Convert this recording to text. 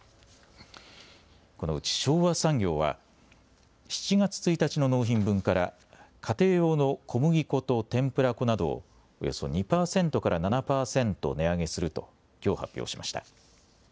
このうち昭和産業は７月１日の納品分から家庭用の小麦粉と天ぷら粉などをおよそ２％から７％値上げするときょう発表しました。